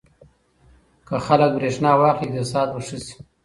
که خلک برېښنا واخلي اقتصاد به ښه شي.